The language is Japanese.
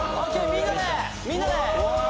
みんなで！